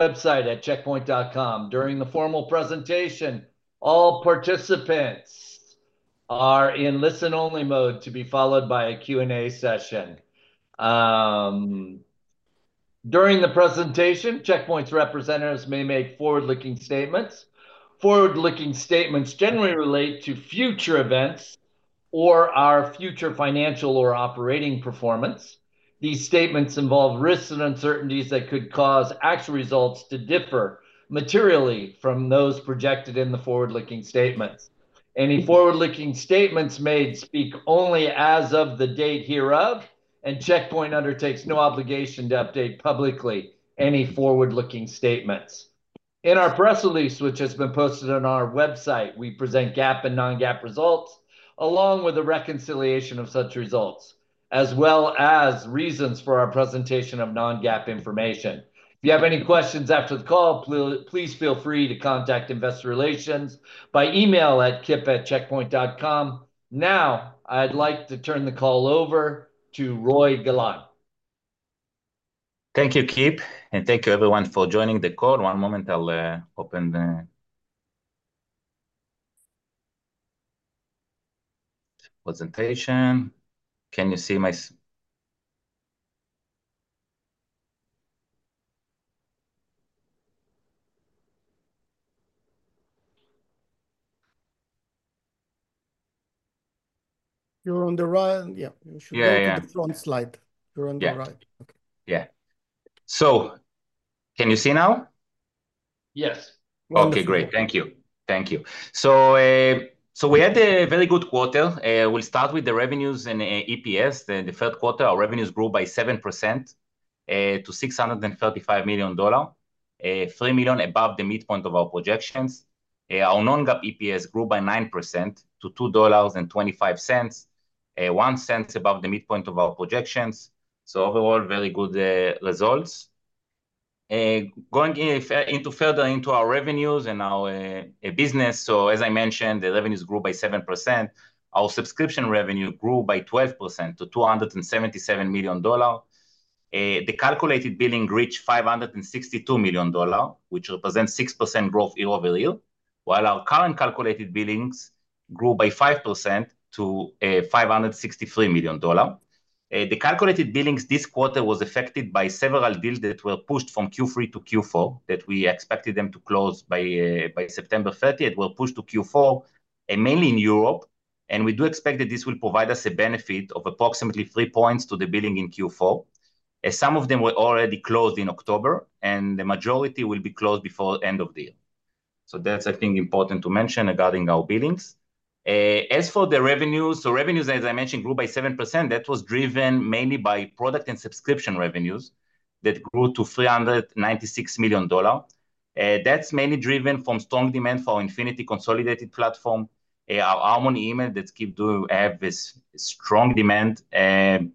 Website at checkpoint.com. During the formal presentation, all participants are in listen-only mode to be followed by a Q&A session. During the presentation, Check Point's representatives may make forward-looking statements. Forward-looking statements generally relate to future events or our future financial or operating performance. These statements involve risks and uncertainties that could cause actual results to differ materially from those projected in the forward-looking statements. Any forward-looking statements made speak only as of the date hereof, and Check Point undertakes no obligation to update publicly any forward-looking statements. In our press release, which has been posted on our website, we present GAAP and non-GAAP results, along with a reconciliation of such results, as well as reasons for our presentation of non-GAAP information. If you have any questions after the call, please feel free to contact investor relations by email at kip@checkpoint.com. Now, I'd like to turn the call over to Roei Golan. Thank you, Kip, and thank you, everyone, for joining the call. One moment, I'll open the presentation. Can you see my? You're on the right. Yeah, you should be on the front slide. You're on the right. Yeah. Yeah. So can you see now? Yes. Okay, great. Thank you. Thank you. We had a very good quarter. We'll start with the revenues and EPS. The third quarter, our revenues grew by 7% to $635 million, $3 million above the midpoint of our projections. Our non-GAAP EPS grew by 9% to $2.25, $0.01 above the midpoint of our projections. Overall, very good results. Going further into our revenues and our business, so as I mentioned, the revenues grew by 7%. Our subscription revenue grew by 12% to $277 million. The calculated billings reached $562 million, which represents 6% growth year-over-year, while our current calculated billings grew by 5% to $563 million. The calculated billings this quarter were affected by several deals that were pushed from Q3 to Q4 that we expected them to close by September 30. They were pushed to Q4, mainly in Europe. And we do expect that this will provide us a benefit of approximately three points to the billings in Q4. Some of them were already closed in October, and the majority will be closed before the end of the year. So that's, I think, important to mention regarding our billings. As for the revenues, so revenues, as I mentioned, grew by 7%. That was driven mainly by product and subscription revenues that grew to $396 million. That's mainly driven from strong demand for our Infinity consolidated platform, our Harmony Email that keeps having this strong demand. And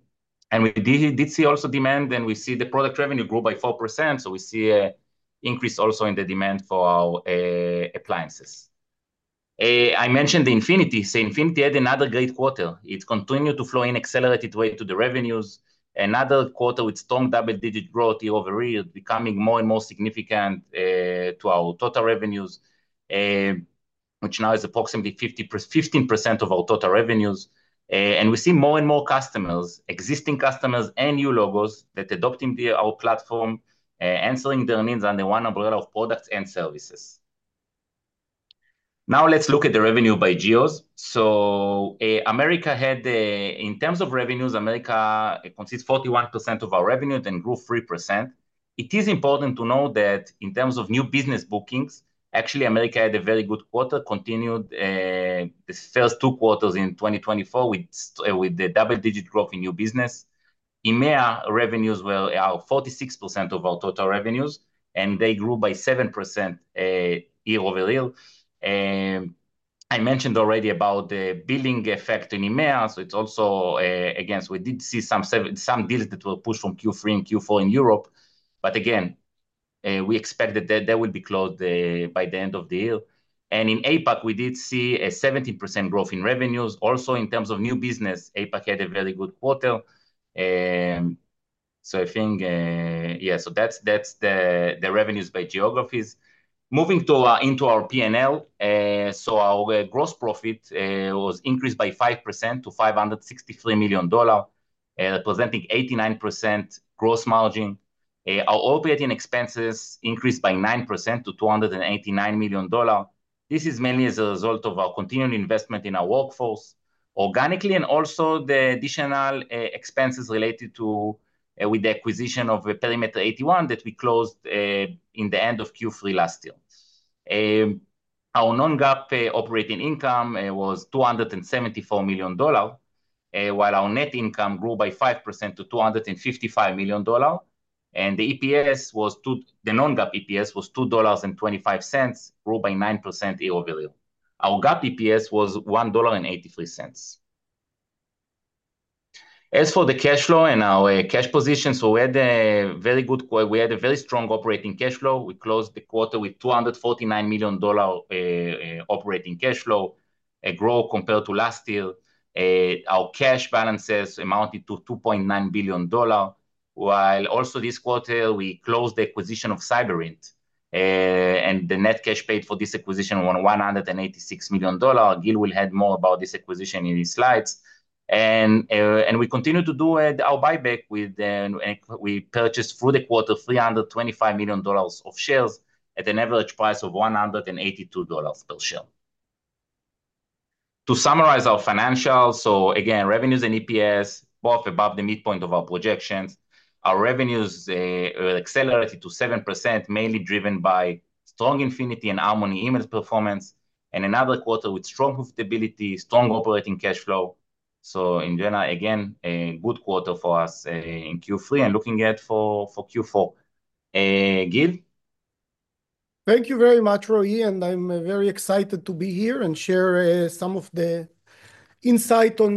we did see also demand, and we see the product revenue grew by 4%. So we see an increase also in the demand for our appliances. I mentioned the Infinity. So Infinity had another great quarter. It continued to flow in accelerated way to the revenues. Another quarter with strong double-digit growth year-over-year, becoming more and more significant to our total revenues, which now is approximately 15% of our total revenues. And we see more and more customers, existing customers and new logos that adopt our platform, answering their needs under one umbrella of products and services. Now let's look at the revenue by geos. So America had, in terms of revenues, America consists of 41% of our revenues and grew 3%. It is important to know that in terms of new business bookings, actually, America had a very good quarter, continued the first two quarters in 2024 with double-digit growth in new business. EMEA revenues were 46% of our total revenues, and they grew by 7% year-over-year. I mentioned already about the billing effect in EMEA. It's also, again, we did see some deals that were pushed from Q3 and Q4 in Europe. But again, we expect that they will be closed by the end of the year. And in APAC, we did see a 17% growth in revenues. Also, in terms of new business, APAC had a very good quarter. So I think, yeah, so that's the revenues by geographies. Moving into our P&L, so our gross profit was increased by 5% to $563 million, presenting 89% gross margin. Our operating expenses increased by 9% to $289 million. This is mainly as a result of our continuing investment in our workforce, organically, and also the additional expenses related to the acquisition of Perimeter 81 that we closed in the end of Q3 last year. Our non-GAAP operating income was $274 million, while our net income grew by 5% to $255 million. The EPS was the non-GAAP EPS was $2.25, grew by 9% year-over-year. Our GAAP EPS was $1.83. As for the cash flow and our cash position, we had a very strong operating cash flow. We closed the quarter with $249 million operating cash flow growth compared to last year. Our cash balances amounted to $2.9 billion, while also this quarter, we closed the acquisition of Cyberint, and the net cash paid for this acquisition was $186 million. Gil will add more about this acquisition in his slides. We continue to do our buyback with, we purchased through the quarter $325 million of shares at an average price of $182 per share. To summarize our financials, again, revenues and EPS, both above the midpoint of our projections. Our revenues accelerated to 7%, mainly driven by strong Infinity and Harmony Email performance, and another quarter with strong profitability, strong operating cash flow. So in general, again, a good quarter for us in Q3 and looking ahead for Q4. Gil? Thank you very much, Roei, and I'm very excited to be here and share some of the insight on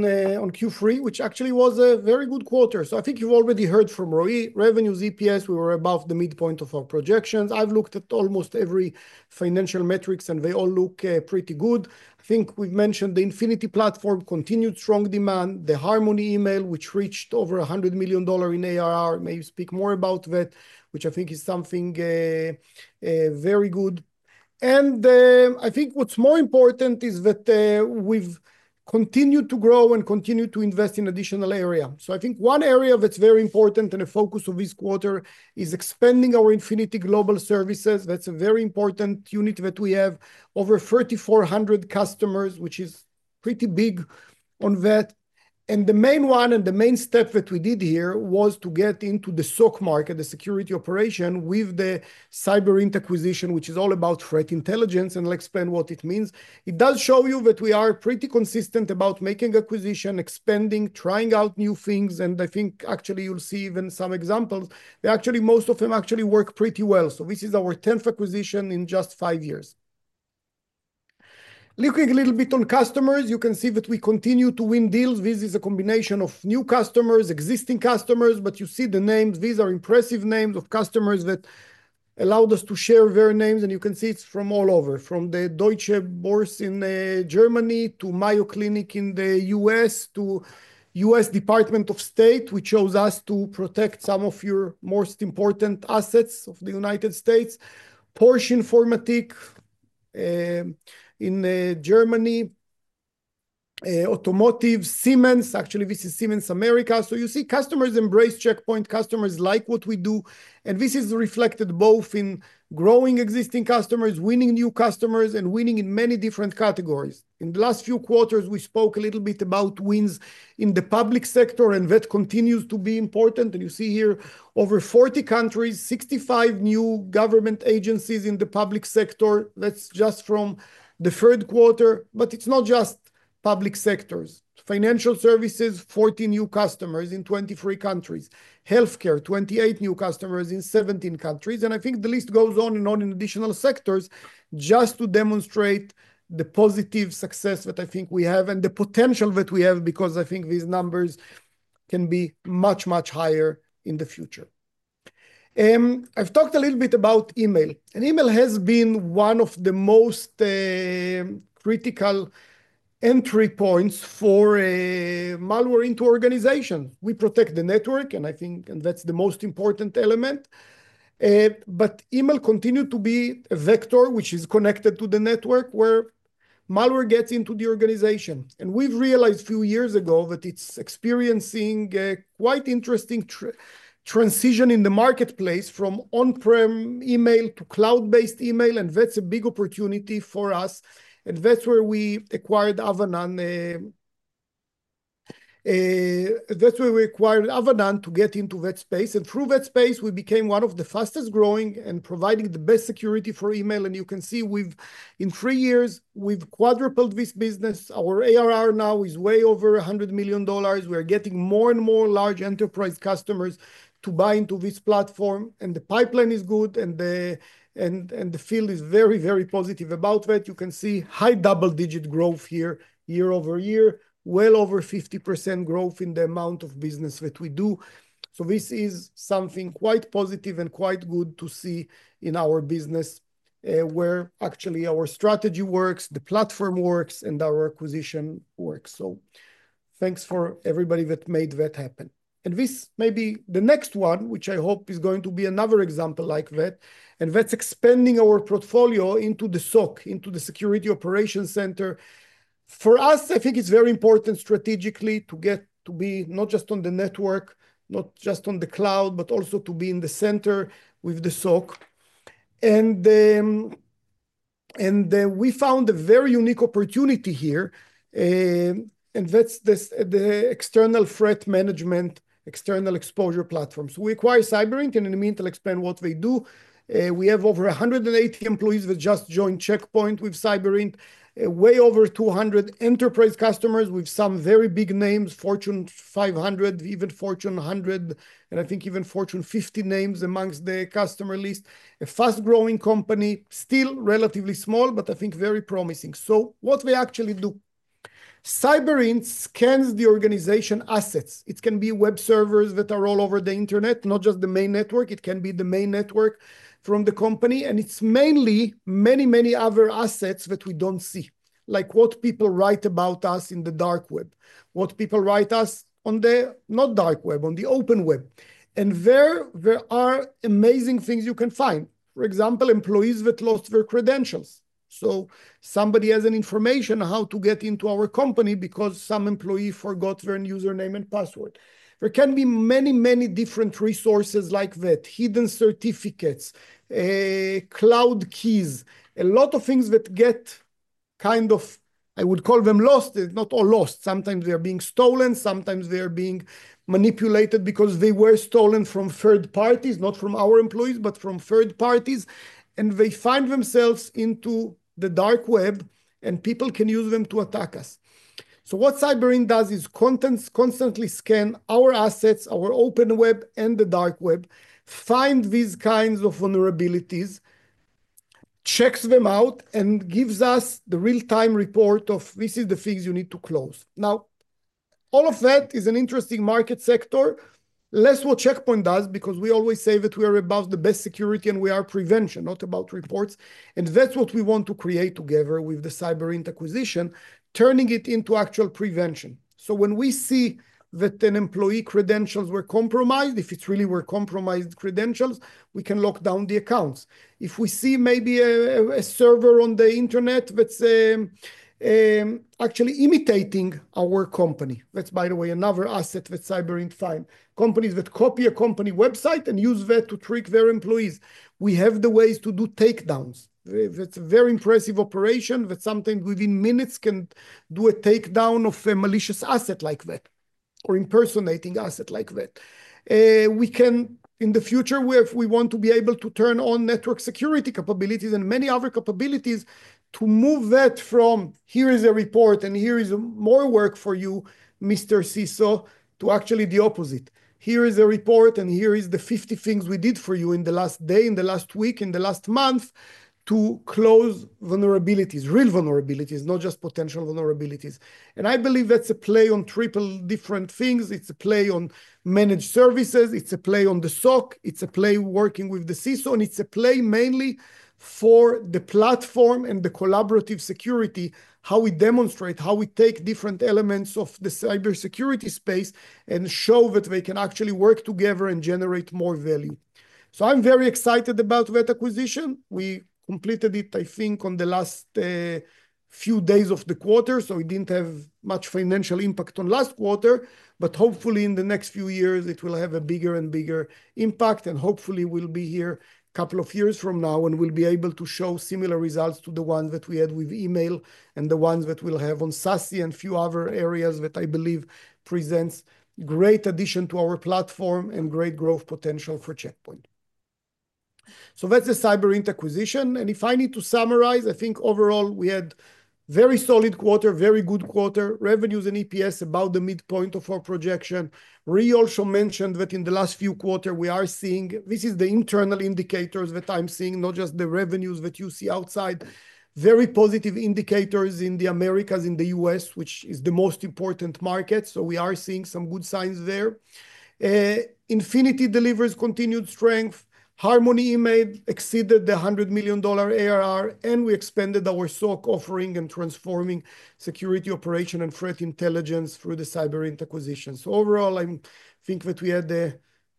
Q3, which actually was a very good quarter. So I think you've already heard from Roei. Revenues, EPS, we were above the midpoint of our projections. I've looked at almost every financial metrics, and they all look pretty good. I think we've mentioned the Infinity Platform, continued strong demand, the Harmony Email, which reached over $100 million in ARR. Maybe speak more about that, which I think is something very good. And I think what's more important is that we've continued to grow and continue to invest in additional areas. So I think one area that's very important and a focus of this quarter is expanding our Infinity Global Services. That's a very important unit that we have, over 3,400 customers, which is pretty big on that. The main one and the main step that we did here was to get into the SOC market, the Security Operations Center, with the Cyberint acquisition, which is all about threat intelligence, and I'll explain what it means. It does show you that we are pretty consistent about making acquisitions, expanding, trying out new things, and I think actually you'll see even some examples. Actually, most of them actually work pretty well. This is our 10th acquisition in just five years. Looking a little bit on customers, you can see that we continue to win deals. This is a combination of new customers, existing customers, but you see the names. These are impressive names of customers that allowed us to share their names, and you can see it's from all over, from the Deutsche Börse in Germany to Mayo Clinic in the U.S. to U.S. Department of State, which shows us to protect some of your most important assets of the United States. Porsche Informatik in Germany, Automotive, Siemens, actually, this is Siemens America. So you see customers embrace Check Point, customers like what we do, and this is reflected both in growing existing customers, winning new customers, and winning in many different categories. In the last few quarters, we spoke a little bit about wins in the public sector, and that continues to be important. You see here over 40 countries, 65 new government agencies in the public sector. That's just from the third quarter, but it's not just public sectors. Financial services, 40 new customers in 23 countries. Healthcare, 28 new customers in 17 countries, and I think the list goes on and on in additional sectors just to demonstrate the positive success that I think we have and the potential that we have because I think these numbers can be much, much higher in the future. I've talked a little bit about email, and email has been one of the most critical entry points for malware into organizations. We protect the network, and I think that's the most important element, but email continued to be a vector which is connected to the network where malware gets into the organization, and we've realized a few years ago that it's experiencing quite interesting transition in the marketplace from on-prem email to cloud-based email, and that's a big opportunity for us, and that's where we acquired Avanan. That's where we acquired Avanan to get into that space. And through that space, we became one of the fastest growing and providing the best security for email. And you can see in three years, we've quadrupled this business. Our ARR now is way over $100 million. We're getting more and more large enterprise customers to buy into this platform. And the pipeline is good, and the field is very, very positive about that. You can see high double-digit growth here year-over-year, well over 50% growth in the amount of business that we do. So this is something quite positive and quite good to see in our business where actually our strategy works, the platform works, and our acquisition works. So thanks for everybody that made that happen. And this may be the next one, which I hope is going to be another example like that. That's expanding our portfolio into the SOC, into the Security Operations Center. For us, I think it's very important strategically to get to be not just on the network, not just on the cloud, but also to be in the center with the SOC. We found a very unique opportunity here. That's the external threat management, external exposure platforms. We acquire Cyberint, and in a minute, I'll explain what they do. We have over 180 employees that just joined Check Point with Cyberint, way over 200 enterprise customers with some very big names, Fortune 500, even Fortune 100, and I think even Fortune 50 names amongst the customer list. A fast-growing company, still relatively small, but I think very promising. What we actually do, Cyberint scans the organization assets. It can be web servers that are all over the internet, not just the main network. It can be the main network from the company. And it's mainly many, many other assets that we don't see, like what people write about us in the Dark Web, what people write us on the not Dark Web, on the open web. And there are amazing things you can find. For example, employees that lost their credentials. So somebody has information on how to get into our company because some employee forgot their username and password. There can be many, many different resources like that, hidden certificates, cloud keys, a lot of things that get kind of, I would call them lost, not all lost. Sometimes they're being stolen. Sometimes they're being manipulated because they were stolen from third parties, not from our employees, but from third parties. And they find themselves into the Dark Web, and people can use them to attack us. So what Cyberint does is constantly scan our assets, our open web and the Dark Web, find these kinds of vulnerabilities, checks them out, and gives us the real-time report of, "This is the things you need to close." Now, all of that is an interesting market sector. Less what Check Point does because we always say that we are above the best security and we are prevention, not about reports. And that's what we want to create together with the Cyberint acquisition, turning it into actual prevention. So when we see that an employee credentials were compromised, if it's really were compromised credentials, we can lock down the accounts. If we see maybe a server on the internet that's actually imitating our company, that's, by the way, another asset that Cyberint finds, companies that copy a company website and use that to trick their employees. We have the ways to do takedowns. That's a very impressive operation that sometimes within minutes can do a takedown of a malicious asset like that or impersonating asset like that. We can, in the future, if we want to be able to turn on network security capabilities and many other capabilities to move that from, "Here is a report and here is more work for you, Mr. CISO," to actually the opposite. "Here is a report and here is the 50 things we did for you in the last day, in the last week, in the last month," to close vulnerabilities, real vulnerabilities, not just potential vulnerabilities, and I believe that's a play on triple different things. It's a play on managed services. It's a play on the SOC. It's a play working with the CISO. It's a play mainly for the platform and the collaborative security, how we demonstrate, how we take different elements of the cybersecurity space and show that they can actually work together and generate more value. So I'm very excited about that acquisition. We completed it, I think, on the last few days of the quarter. So it didn't have much financial impact on last quarter, but hopefully in the next few years, it will have a bigger and bigger impact. And hopefully, we'll be here a couple of years from now and we'll be able to show similar results to the ones that we had with email and the ones that we'll have on SASE and a few other areas that I believe presents great addition to our platform and great growth potential for Check Point. So that's the Cyberint acquisition. And if I need to summarize, I think overall we had a very solid quarter, very good quarter, revenues and EPS about the midpoint of our projection. We also mentioned that in the last few quarters, we are seeing, this is the internal indicators that I'm seeing, not just the revenues that you see outside. Very positive indicators in the Americas, in the U.S., which is the most important market. So we are seeing some good signs there. Infinity delivers continued strength. Harmony Email exceeded the $100 million ARR, and we expanded our SOC offering and transforming security operation and threat intelligence through the Cyberint acquisition. So overall, I think that we had a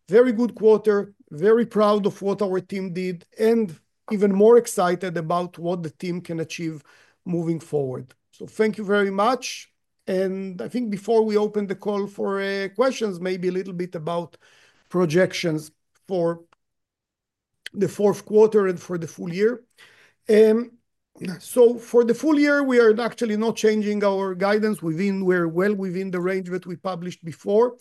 very good quarter, I'm very proud of what our team did, and even more excited about what the team can achieve moving forward. So thank you very much. I think before we open the call for questions, maybe a little bit about projections for the fourth quarter and for the full year. For the full year, we are actually not changing our guidance. We're well within the range that we published before.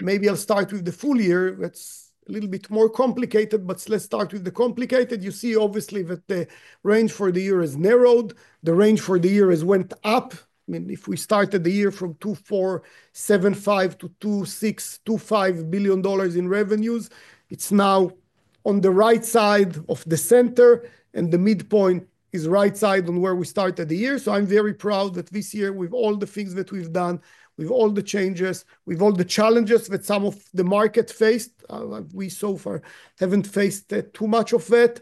Maybe I'll start with the full year. That's a little bit more complicated, but let's start with the complicated. You see, obviously, that the range for the year has narrowed. The range for the year has went up. I mean, if we started the year from $2.475-$2.625 billion in revenues, it's now on the right side of the center, and the midpoint is right side on where we started the year. So I'm very proud that this year, with all the things that we've done, with all the changes, with all the challenges that some of the market faced, we so far haven't faced too much of that.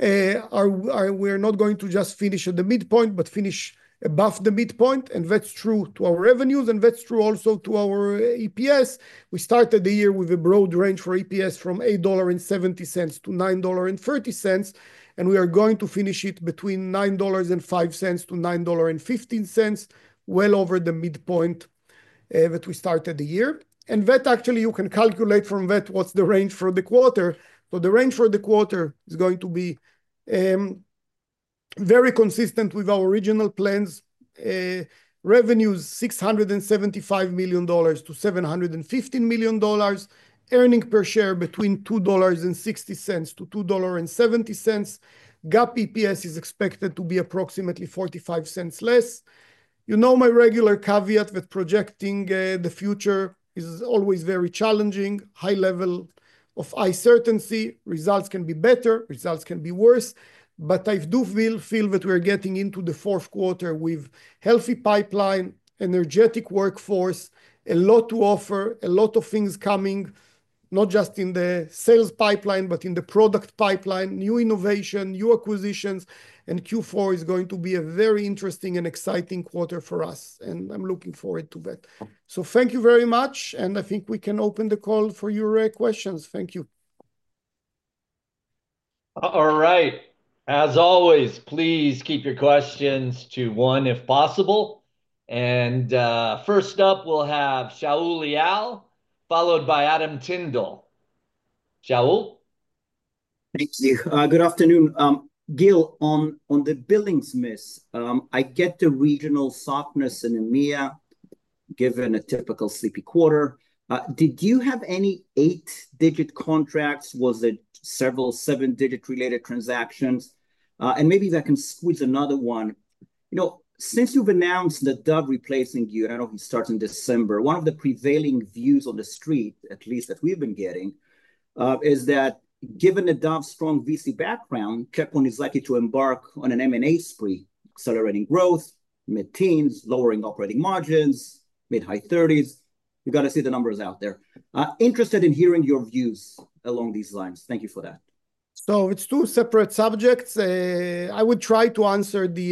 We're not going to just finish at the midpoint, but finish above the midpoint. And that's true to our revenues, and that's true also to our EPS. We started the year with a broad range for EPS from $8.70-$9.30, and we are going to finish it between $9.05-$9.15, well over the midpoint that we started the year. And that actually, you can calculate from that what's the range for the quarter. So the range for the quarter is going to be very consistent with our original plans. Revenues $675 million-$715 million, earnings per share between $2.60-$2.70. GAAP EPS is expected to be approximately $0.45 less. You know my regular caveat that projecting the future is always very challenging, high level of uncertainty. Results can be better, results can be worse. But I do feel that we're getting into the fourth quarter with a healthy pipeline, energetic workforce, a lot to offer, a lot of things coming, not just in the sales pipeline, but in the product pipeline, new innovation, new acquisitions. And Q4 is going to be a very interesting and exciting quarter for us. And I'm looking forward to that. So thank you very much. And I think we can open the call for your questions. Thank you. All right. As always, please keep your questions to one if possible. And first up, we'll have Shaul Eyal, followed by Adam Tindle. Shaul. Thank you. Good afternoon. Gil, on the billings miss, I get the regional softness in EMEA given a typical sleepy quarter. Did you have any eight-digit contracts? Was it several seven-digit related transactions? And maybe that can squeeze another one. You know, since you've announced that Nadav Zafrir replacing Gil Shwed, he starts in December, one of the prevailing views on the street, at least that we've been getting, is that given the Nadav Zafrir's strong VC background, Check Point is likely to embark on an M&A spree, accelerating growth, mid-teens, lowering operating margins, mid-high 30s. We've got to see the numbers out there. Interested in hearing your views along these lines. Thank you for that. So it's two separate subjects. I would try to answer the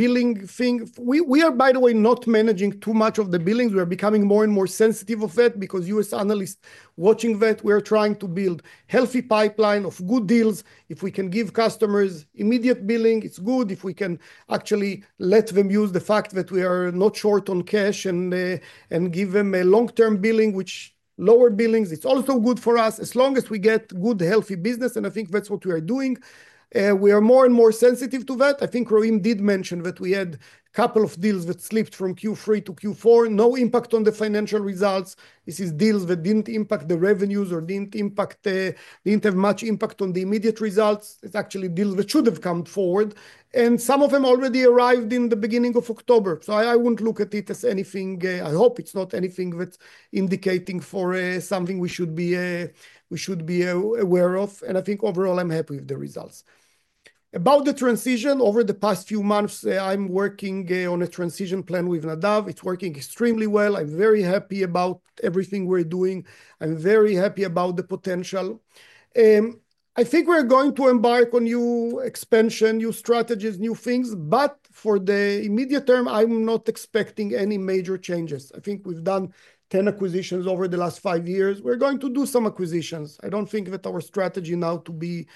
billing thing. We are, by the way, not managing too much of the billings. We are becoming more and more sensitive of that because U.S. analysts watching that. We are trying to build a healthy pipeline of good deals. If we can give customers immediate billing, it's good. If we can actually let them use the fact that we are not short on cash and give them a long-term billing, which lower billings, it's also good for us as long as we get good, healthy business, and I think that's what we are doing. We are more and more sensitive to that. I think Roei did mention that we had a couple of deals that slipped from Q3 to Q4, no impact on the financial results. This is deals that didn't impact the revenues or didn't have much impact on the immediate results. It's actually deals that should have come forward, and some of them already arrived in the beginning of October, so I wouldn't look at it as anything. I hope it's not anything that's indicating for something we should be aware of, and I think overall, I'm happy with the results. About the transition, over the past few months, I'm working on a transition plan with Nadav. It's working extremely well. I'm very happy about everything we're doing. I'm very happy about the potential. I think we're going to embark on new expansion, new strategies, new things, but for the immediate term, I'm not expecting any major changes. I think we've done 10 acquisitions over the last five years. We're going to do some acquisitions. I don't think that our strategy now to be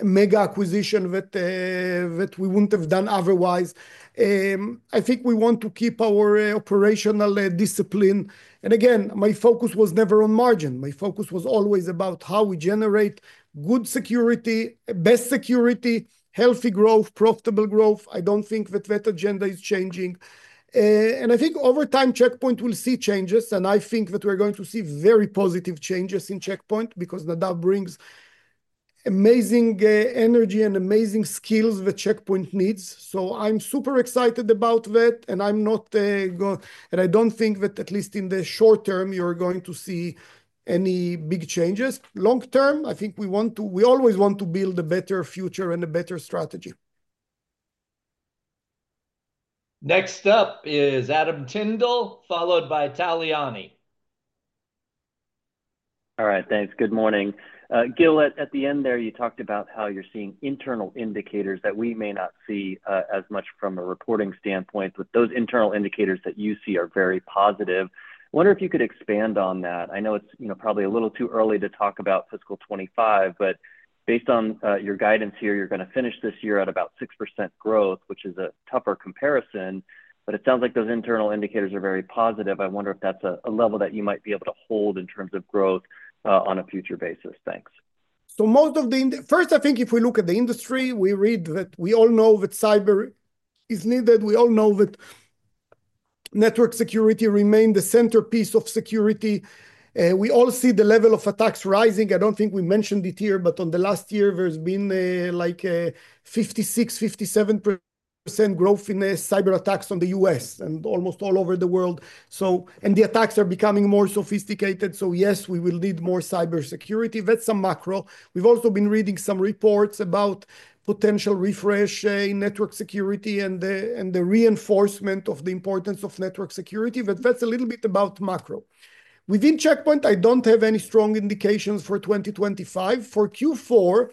a mega acquisition that we wouldn't have done otherwise. I think we want to keep our operational discipline, and again, my focus was never on margin. My focus was always about how we generate good security, best security, healthy growth, profitable growth. I don't think that that agenda is changing, and I think over time, Check Point will see changes. And I think that we're going to see very positive changes in Check Point because Nadav brings amazing energy and amazing skills that Check Point needs. So I'm super excited about that. And I'm not going to, and I don't think that at least in the short term, you're going to see any big changes. Long term, I think we want to, we always want to build a better future and a better strategy. Next up is Adam Tindle, followed by Tal Liani. All right. Thanks. Good morning. Gil, at the end there, you talked about how you're seeing internal indicators that we may not see as much from a reporting standpoint, but those internal indicators that you see are very positive. I wonder if you could expand on that. I know it's probably a little too early to talk about fiscal 2025, but based on your guidance here, you're going to finish this year at about 6% growth, which is a tougher comparison. But it sounds like those internal indicators are very positive. I wonder if that's a level that you might be able to hold in terms of growth on a future basis. Thanks. Most of the first, I think if we look at the industry, we read that we all know that cyber is needed. We all know that network security remains the centerpiece of security. We all see the level of attacks rising. I don't think we mentioned it here, but in the last year, there's been like a 56%-57% growth in cyber attacks in the U.S. and almost all over the world. The attacks are becoming more sophisticated. So, yes, we will need more cybersecurity. That's some macro. We've also been reading some reports about potential refresh in network security and the reinforcement of the importance of network security. But that's a little bit about macro. Within Check Point, I don't have any strong indications for 2025. For Q4,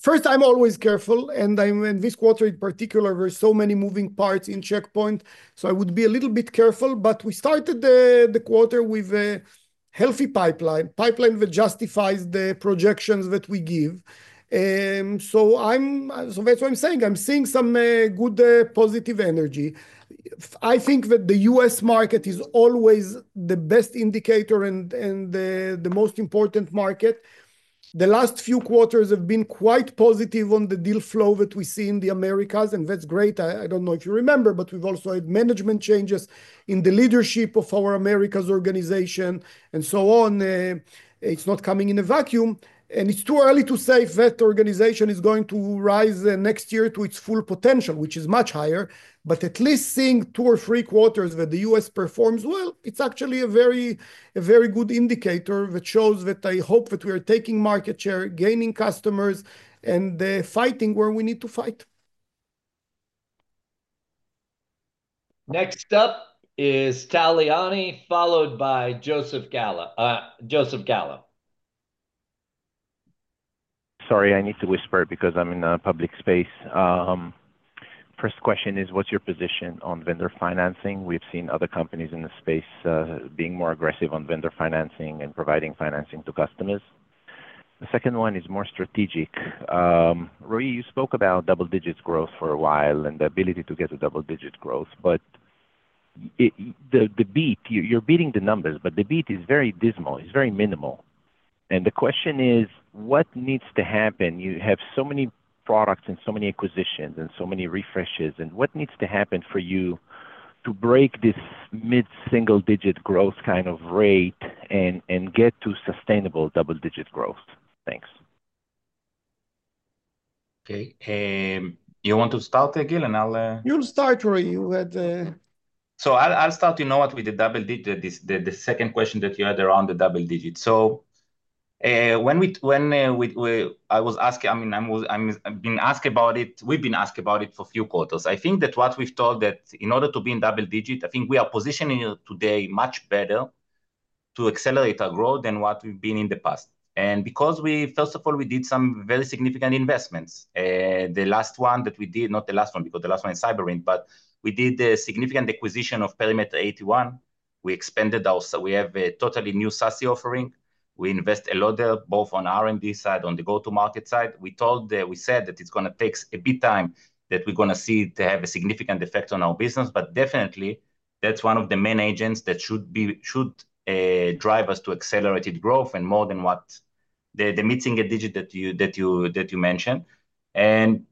first, I'm always careful, and I'm in this quarter in particular, there are so many moving parts in Check Point, so I would be a little bit careful. But we started the quarter with a healthy pipeline, a pipeline that justifies the projections that we give. So that's what I'm saying. I'm seeing some good positive energy. I think that the U.S. market is always the best indicator and the most important market. The last few quarters have been quite positive on the deal flow that we see in the Americas, and that's great. I don't know if you remember, but we've also had management changes in the leadership of our Americas organization and so on. It's not coming in a vacuum, and it's too early to say if that organization is going to rise next year to its full potential, which is much higher, but at least seeing two or three quarters where the U.S. performs well, it's actually a very good indicator that shows that I hope that we are taking market share, gaining customers, and fighting where we need to fight. Next up is Tal Liani, followed by Joseph Gallo. Sorry, I need to whisper because I'm in a public space. First question is, what's your position on vendor financing? We've seen other companies in the space being more aggressive on vendor financing and providing financing to customers. The second one is more strategic. Roei, you spoke about double-digit growth for a while and the ability to get a double-digit growth. But the beat, you're beating the numbers, but the beat is very dismal. It's very minimal. And the question is, what needs to happen? You have so many products and so many acquisitions and so many refreshes. And what needs to happen for you to break this mid-single-digit growth kind of rate and get to sustainable double-digit growth? Thanks. Okay. You want to start again, and I'll. You'll start, Roei. You had. So I'll start, you know what, with the double-digit, the second question that you had around the double-digit. So when I was asking, I mean, I've been asked about it. We've been asked about it for a few quarters. I think that what we've told that in order to be in double digit, I think we are positioning today much better to accelerate our growth than what we've been in the past. And because we, first of all, we did some very significant investments. The last one that we did, not the last one, because the last one is Cyberint, but we did a significant acquisition of Perimeter 81. We expanded our. We have a totally new SASE offering. We invest a lot there, both on R&D side, on the go-to-market side. We said that it's going to take a bit of time that we're going to see it have a significant effect on our business. But definitely, that's one of the main agents that should drive us to accelerated growth and more than what the mid-single digit that you mentioned. And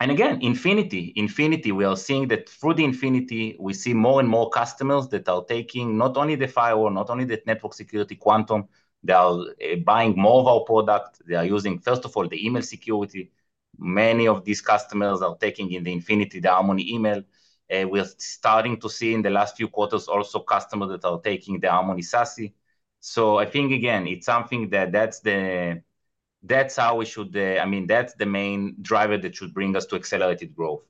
again, Infinity. Infinity, we are seeing that through the Infinity. We see more and more customers that are taking not only the firewall, not only the network security Quantum. They are buying more of our product. They are using, first of all, the email security. Many of these customers are taking in the Infinity the Harmony Email. We're starting to see in the last few quarters also customers that are taking the Harmony SASE. So I think, again, it's something that's how we should—I mean, that's the main driver that should bring us to accelerated growth.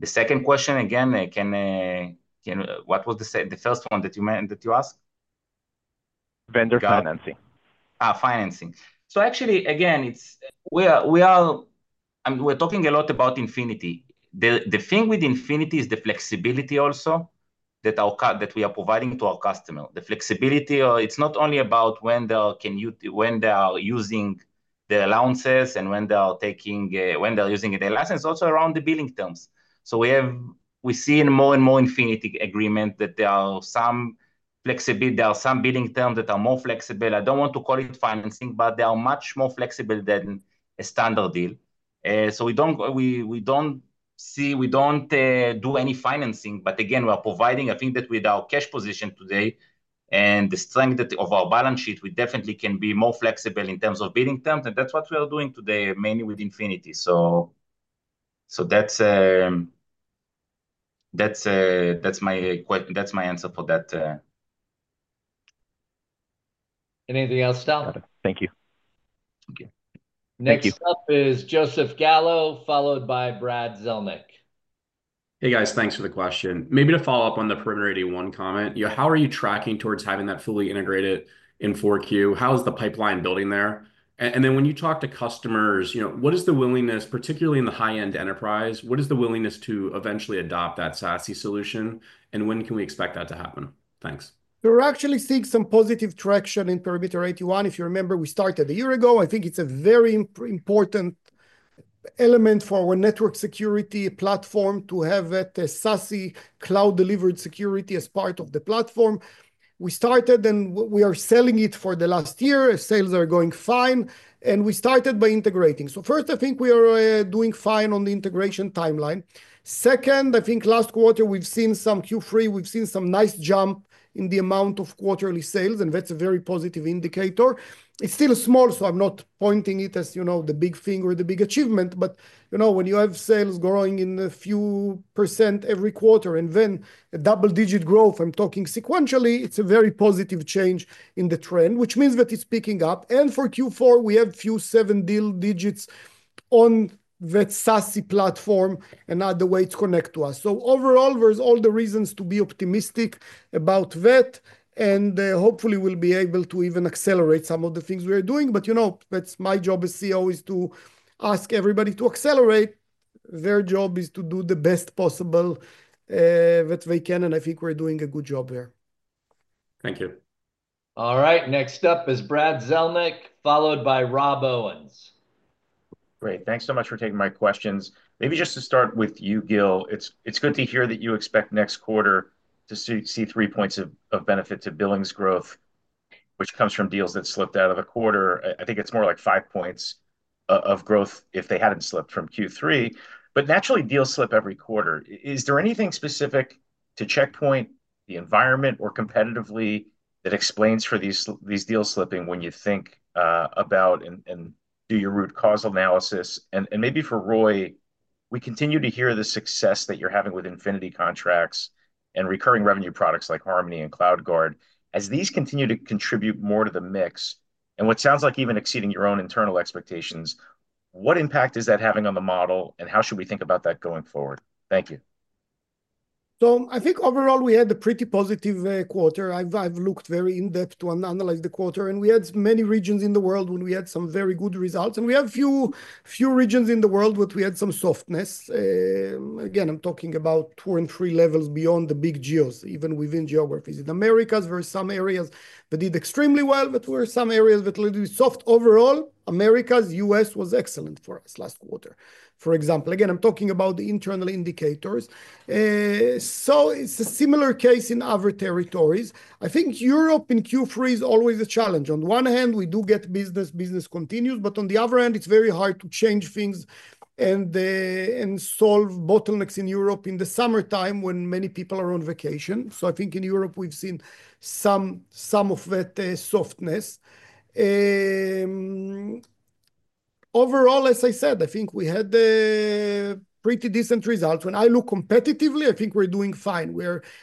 The second question, again, what was the first one that you asked? Vendor financing. Financing. So actually, again, it's—we are talking a lot about Infinity. The thing with Infinity is the flexibility also that we are providing to our customer. The flexibility, it's not only about when they are using their allowances and when they are using their license, also around the billing terms. So we see in more and more Infinity agreements that there are some billing terms that are more flexible. I don't want to call it financing, but they are much more flexible than a standard deal. So we don't do any financing. But again, we are providing, I think that with our cash position today and the strength of our balance sheet, we definitely can be more flexible in terms of billing terms. And that's what we are doing today, mainly with Infinity. So that's my answer for that. Anything else, Sal? Thank you. Thank you. Next up is Joseph Gallo, followed by Brad Zelnick. Hey, guys, thanks for the question. Maybe to follow up on the Perimeter 81 comment, how are you tracking towards having that fully integrated in 4Q? How is the pipeline building there? And then when you talk to customers, what is the willingness, particularly in the high-end enterprise, what is the willingness to eventually adopt that SASE solution? And when can we expect that to happen? Thanks. We're actually seeing some positive traction in Perimeter 81. If you remember, we started a year ago. I think it's a very important element for our network security platform to have a SASE cloud-delivered security as part of the platform. We started and we are selling it for the last year. Sales are going fine. And we started by integrating. So first, I think we are doing fine on the integration timeline. Second, I think last quarter, we've seen some Q3, we've seen some nice jump in the amount of quarterly sales, and that's a very positive indicator. It's still small, so I'm not pointing it as the big thing or the big achievement, but when you have sales growing a few% every quarter and then a double-digit growth, I'm talking sequentially, it's a very positive change in the trend, which means that it's picking up, and for Q4, we have seven-digit deals on that SASE platform and other ways to connect to us, so overall, there's all the reasons to be optimistic about that, and hopefully, we'll be able to even accelerate some of the things we are doing, but that's my job as CEO, is to ask everybody to accelerate. Their job is to do the best possible that they can. I think we're doing a good job there. Thank you. All right. Next up is Brad Zelnick, followed by Rob Owens. Great. Thanks so much for taking my questions. Maybe just to start with you, Gil, it's good to hear that you expect next quarter to see three points of benefit to billings growth, which comes from deals that slipped out of the quarter. I think it's more like five points of growth if they hadn't slipped from Q3. But naturally, deals slip every quarter. Is there anything specific to Check Point, the environment, or competitively that explains for these deals slipping when you think about and do your root cause analysis? And maybe for Roei, we continue to hear the success that you're having with Infinity contracts and recurring revenue products like Harmony and CloudGuard. As these continue to contribute more to the mix, and what sounds like even exceeding your own internal expectations, what impact is that having on the model and how should we think about that going forward? Thank you. So I think overall, we had a pretty positive quarter. I've looked very in-depth to analyze the quarter. And we had many regions in the world where we had some very good results. And we have a few regions in the world, but we had some softness. Again, I'm talking about two and three levels beyond the big geos, even within geographies. In Americas, there are some areas that did extremely well, but there are some areas that were a little bit soft overall. Americas, U.S. was excellent for us last quarter, for example. Again, I'm talking about the internal indicators. So it's a similar case in other territories. I think Europe in Q3 is always a challenge. On one hand, we do get business, business continues, but on the other hand, it's very hard to change things and solve bottlenecks in Europe in the summertime when many people are on vacation. So I think in Europe, we've seen some of that softness. Overall, as I said, I think we had pretty decent results. When I look competitively, I think we're doing fine.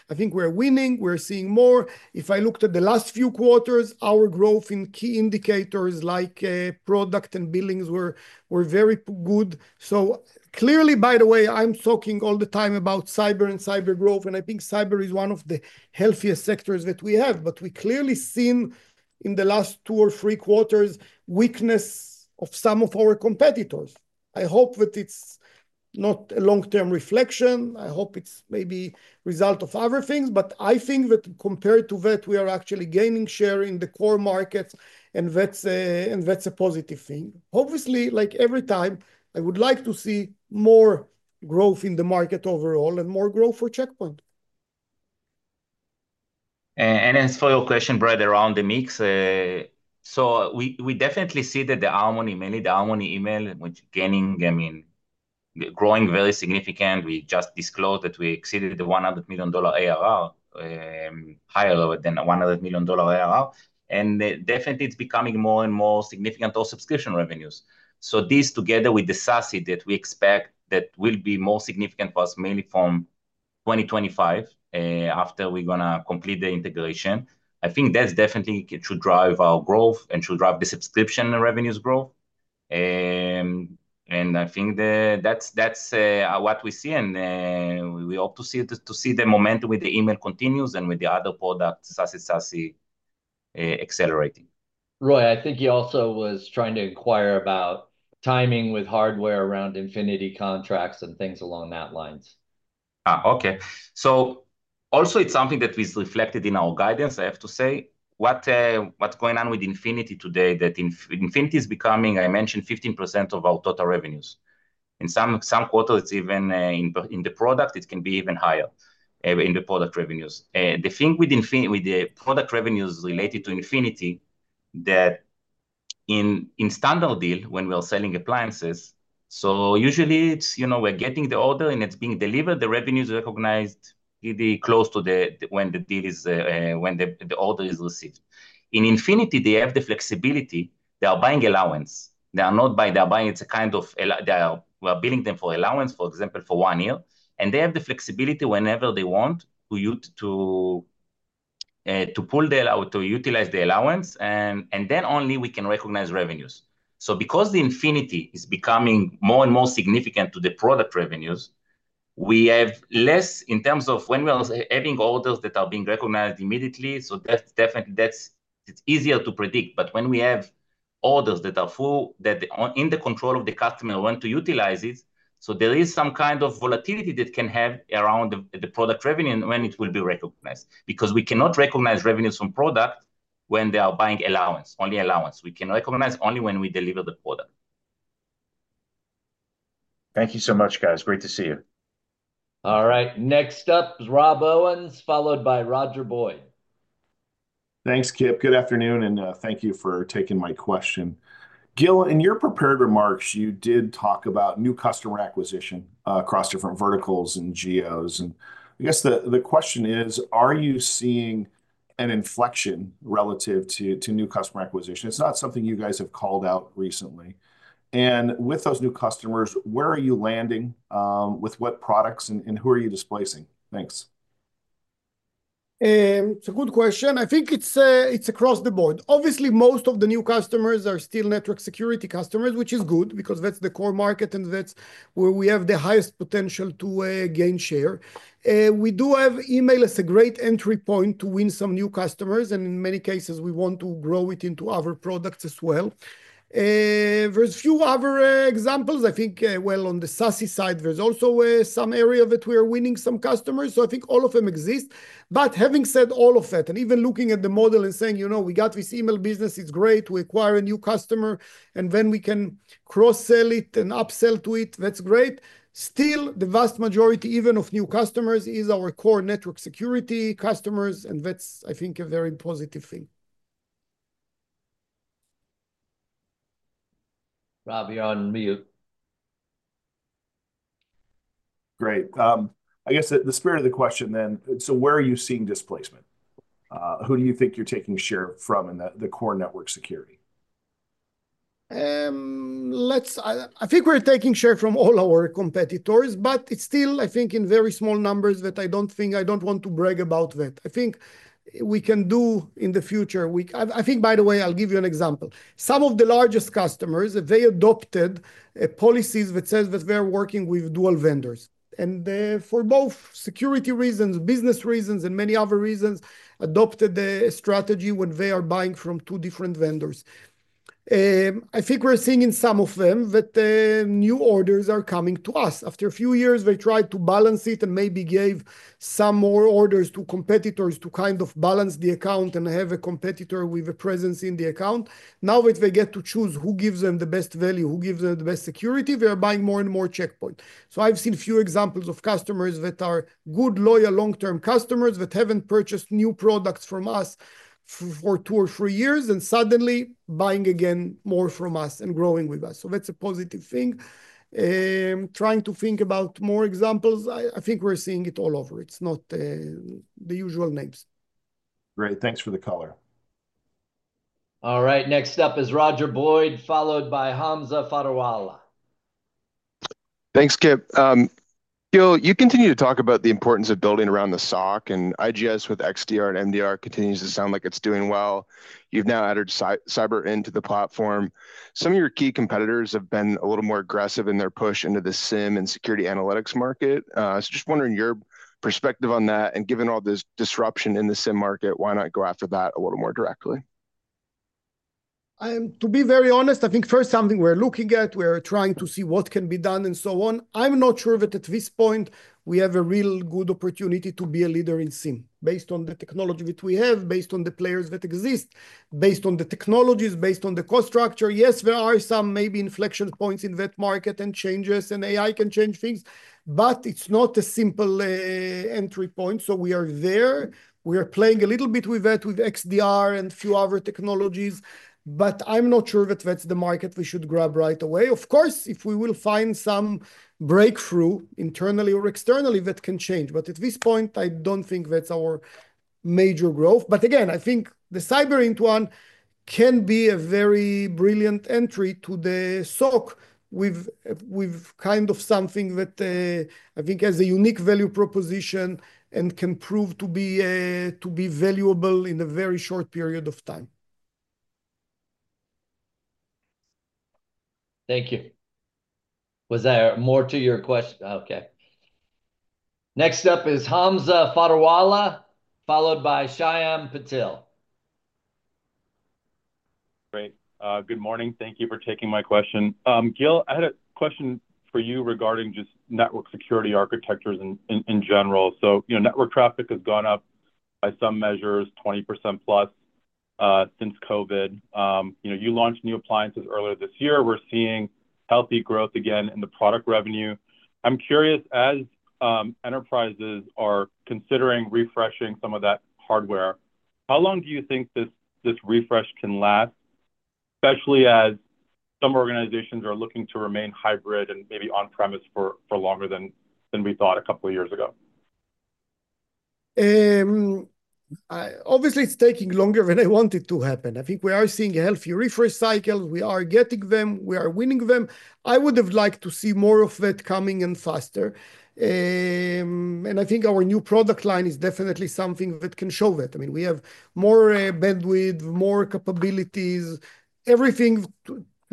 I think we're winning. We're seeing more. If I looked at the last few quarters, our growth in key indicators like product and billings were very good. So clearly, by the way, I'm talking all the time about cyber and cyber growth, and I think cyber is one of the healthiest sectors that we have, but we clearly seen in the last two or three quarters weakness of some of our competitors. I hope that it's not a long-term reflection. I hope it's maybe a result of other things, but I think that compared to that, we are actually gaining share in the core markets, and that's a positive thing. Obviously, like every time, I would like to see more growth in the market overall and more growth for Check Point. And as for your question, Brad, around the mix, so we definitely see that the Harmony, mainly the Harmony Email, which is gaining, I mean, growing very significantly. We just disclosed that we exceeded the $100 million ARR, higher than $100 million ARR, and definitely, it's becoming more and more significant, those subscription revenues. So this, together with the SASE that we expect that will be more significant for us, mainly from 2025, after we're going to complete the integration, I think that definitely should drive our growth and should drive the subscription revenues growth. And I think that's what we see, and we hope to see the momentum with the email continues and with the other products, SASE, SASE accelerating. Roei, I think he also was trying to inquire about timing with hardware around Infinity contracts and things along those lines. Okay. So also, it's something that we've reflected in our guidance, I have to say. What's going on with Infinity today? That Infinity is becoming, I mentioned, 15% of our total revenues. In some quarters, even in the product, it can be even higher in the product revenues. The thing with the product revenues related to Infinity is that in a standard deal, when we are selling appliances, so usually we're getting the order and it's being delivered, the revenues are recognized close to when the deal is, when the order is received. In Infinity, they have the flexibility. They are buying allowance. They are not buying, they are buying, it's a kind of, we are billing them for allowance, for example, for one year, and they have the flexibility whenever they want to pull the allowance, to utilize the allowance, and then only we can recognize revenues. So because Infinity is becoming more and more significant to the product revenues, we have less in terms of when we are having orders that are being recognized immediately, so definitely, it's easier to predict. But when we have orders that are full, that's in the control of the customer when to utilize it, so there is some kind of volatility that can have around the product revenue and when it will be recognized. Because we cannot recognize revenues from product when they are buying appliances, only appliances. We can recognize only when we deliver the product. Thank you so much, guys. Great to see you. All right. Next up is Rob Owens, followed by Roger Boyd. Thanks, Kip. Good afternoon, and thank you for taking my question. Gil, in your prepared remarks, you did talk about new customer acquisition across different verticals and geos. And I guess the question is, are you seeing an inflection relative to new customer acquisition? It's not something you guys have called out recently. And with those new customers, where are you landing with what products and who are you displacing? Thanks. It's a good question. I think it's across the board. Obviously, most of the new customers are still network security customers, which is good because that's the core market and that's where we have the highest potential to gain share. We do have email as a great entry point to win some new customers, and in many cases, we want to grow it into other products as well. There's a few other examples. I think, well, on the SASE side, there's also some area that we are winning some customers. So I think all of them exist. But having said all of that, and even looking at the model and saying, you know, we got this email business, it's great, we acquire a new customer, and then we can cross-sell it and upsell to it, that's great. Still, the vast majority even of new customers is our core network security customers, and that's, I think, a very positive thing. Rob, you're on mute. Great. I guess the spirit of the question then, so where are you seeing displacement? Who do you think you're taking share from in the core network security? I think we're taking share from all our competitors, but it's still, I think, in very small numbers that I don't want to brag about that. I think we can do in the future. I think, by the way, I'll give you an example. Some of the largest customers, they adopted policies that says that they're working with dual vendors. And for both security reasons, business reasons, and many other reasons, adopted a strategy when they are buying from two different vendors. I think we're seeing in some of them that new orders are coming to us. After a few years, they tried to balance it and maybe gave some more orders to competitors to kind of balance the account and have a competitor with a presence in the account. Now that they get to choose who gives them the best value, who gives them the best security, they are buying more and more Check Point. So I've seen a few examples of customers that are good, loyal, long-term customers that haven't purchased new products from us for two or three years and suddenly buying again more from us and growing with us. So that's a positive thing. Trying to think about more examples, I think we're seeing it all over. It's not the usual names. Great. Thanks for the color. All right. Next up is Roger Boyd, followed by Hamza Fodderwala. Thanks, Kip. Gil, you continue to talk about the importance of building around the SOC, and IGS with XDR and MDR continues to sound like it's doing well. You've now added Cyberint into the platform. Some of your key competitors have been a little more aggressive in their push into the SIEM and security analytics market. So just wondering your perspective on that, and given all this disruption in the SIEM market, why not go after that a little more directly? To be very honest, I think first something we're looking at, we're trying to see what can be done and so on. I'm not sure that at this point we have a real good opportunity to be a leader in SIEM based on the technology that we have, based on the players that exist, based on the technologies, based on the cost structure. Yes, there are some maybe inflection points in that market and changes, and AI can change things, but it's not a simple entry point, so we are there. We are playing a little bit with that with XDR and a few other technologies, but I'm not sure that that's the market we should grab right away. Of course, if we will find some breakthrough internally or externally, that can change, but at this point, I don't think that's our major growth. But again, I think the Cyberint one can be a very brilliant entry to the SOC with kind of something that I think has a unique value proposition and can prove to be valuable in a very short period of time. Thank you. Was there more to your question? Okay. Next up is Hamza Fodderwala, followed by Shyam Patil. Great. Good morning. Thank you for taking my question. Gil, I had a question for you regarding just network security architectures in general. So network traffic has gone up by some measures, 20%+ since COVID. You launched new appliances earlier this year. We're seeing healthy growth again in the product revenue. I'm curious, as enterprises are considering refreshing some of that hardware, how long do you think this refresh can last, especially as some organizations are looking to remain hybrid and maybe on-premise for longer than we thought a couple of years ago? Obviously, it's taking longer than I want it to happen. I think we are seeing healthy refresh cycles. We are getting them. We are winning them. I would have liked to see more of that coming and faster, and I think our new product line is definitely something that can show that. I mean, we have more bandwidth, more capabilities, everything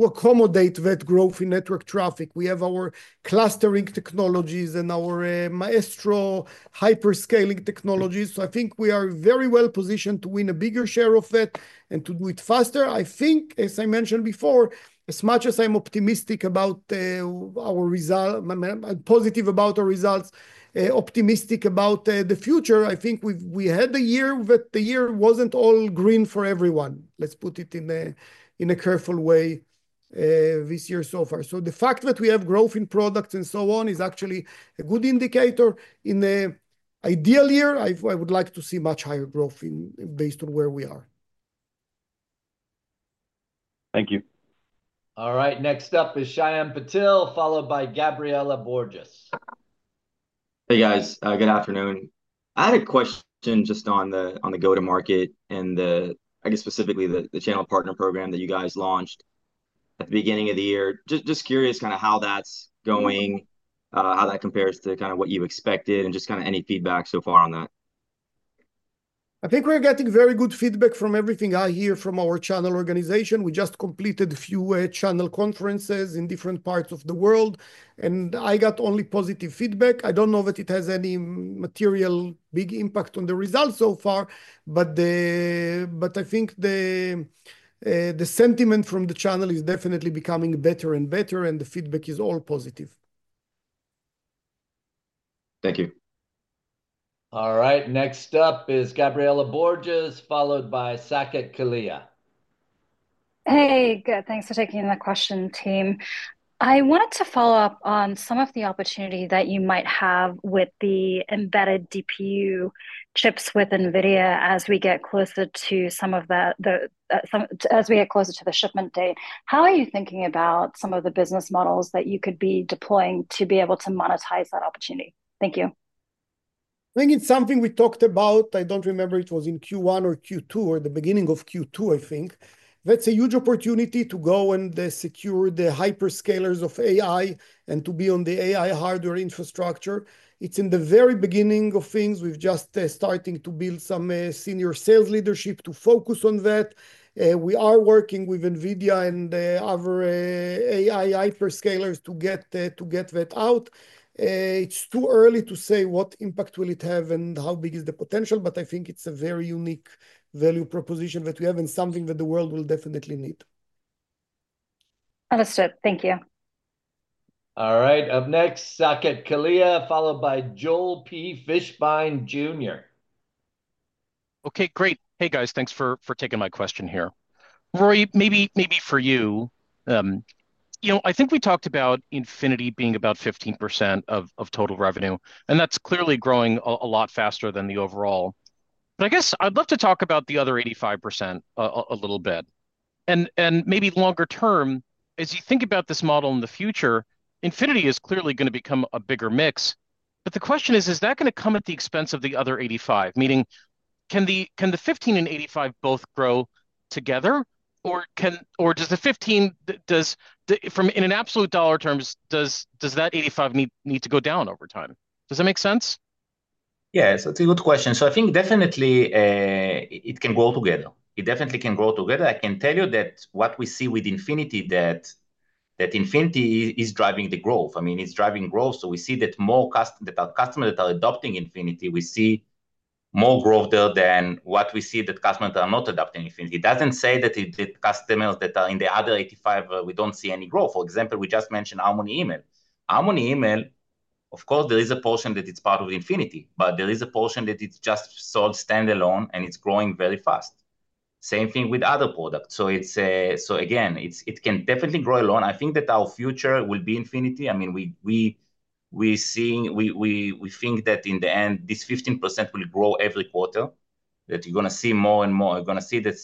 to accommodate that growth in network traffic. We have our clustering technologies and our Maestro hyperscale technologies, so I think we are very well positioned to win a bigger share of that and to do it faster. I think, as I mentioned before, as much as I'm optimistic about our results, positive about our results, optimistic about the future, I think we had a year that the year wasn't all green for everyone. Let's put it in a careful way this year so far. So the fact that we have growth in products and so on is actually a good indicator. In an ideal year, I would like to see much higher growth based on where we are. Thank you. All right. Next up is Shyam Patil, followed by Gabriela Borges. Hey, guys. Good afternoon. I had a question just on the go-to-market and the, I guess, specifically the channel partner program that you guys launched at the beginning of the year. Just curious kind of how that's going, how that compares to kind of what you expected, and just kind of any feedback so far on that? I think we're getting very good feedback from everything I hear from our channel organization. We just completed a few channel conferences in different parts of the world, and I got only positive feedback. I don't know that it has any material big impact on the results so far, but I think the sentiment from the channel is definitely becoming better and better, and the feedback is all positive. Thank you. All right. Next up is Gabriela Borges, followed by Saket Kalia. Hey, good. Thanks for taking the question, team. I wanted to follow up on some of the opportunity that you might have with the embedded DPU chips with NVIDIA as we get closer to some of the, as we get closer to the shipment date. How are you thinking about some of the business models that you could be deploying to be able to monetize that opportunity? Thank you. I think it's something we talked about. I don't remember if it was in Q1 or Q2 or the beginning of Q2, I think. That's a huge opportunity to go and secure the hyperscalers of AI and to be on the AI hardware infrastructure. It's in the very beginning of things. We've just starting to build some senior sales leadership to focus on that. We are working with NVIDIA and other AI hyperscalers to get that out. It's too early to say what impact will it have and how big is the potential, but I think it's a very unique value proposition that we have and something that the world will definitely need. Understood. Thank you. All right. Up next, Saket Kalia, followed by Joel Fishbein. Okay, great. Hey, guys, thanks for taking my question here. Roei, maybe for you, I think we talked about Infinity being about 15% of total revenue, and that's clearly growing a lot faster than the overall. But I guess I'd love to talk about the other 85% a little bit. And maybe longer term, as you think about this model in the future, Infinity is clearly going to become a bigger mix. But the question is, is that going to come at the expense of the other 85%? Meaning, can the 15% and 85% both grow together, or does the 15%, in absolute dollar terms, does that 85% need to go down over time? Does that make sense? Yes, that's a good question. So I think definitely it can grow together. It definitely can grow together. I can tell you that what we see with Infinity, that Infinity is driving the growth. I mean, it's driving growth. So we see that more customers that are adopting Infinity, we see more growth there than what we see that customers are not adopting Infinity. It doesn't say that the customers that are in the other 85%, we don't see any growth. For example, we just mentioned Harmony Email. Harmony Email, of course, there is a portion that it's part of Infinity, but there is a portion that it's just sold standalone and it's growing very fast. Same thing with other products. So again, it can definitely grow alone. I think that our future will be Infinity. I mean, we think that in the end, this 15% will grow every quarter, that you're going to see more and more. You're going to see that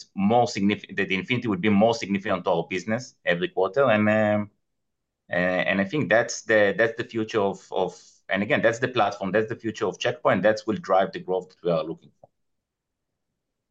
the Infinity will be more significant to our business every quarter. And I think that's the future of, and again, that's the platform, that's the future of Check Point, that will drive the growth that we are looking for.